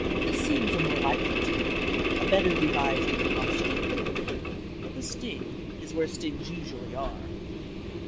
This seems a more likely tale, a better devised imposture." The sting is where stings usually are.